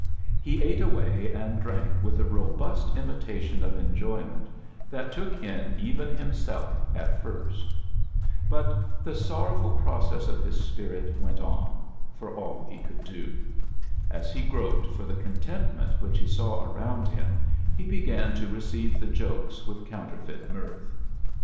He ate away and drank with a robust imitation of enjoyment that took in even himself at first. But the sor 0^:^'=^ A JOUKNEY IN SEARCH OF CHRISTMAS rowful process of his spirit went oii» for all he could do. As he groped for the con tentment which he saw around him he be gan to receive the jokes with counterfeit mirth.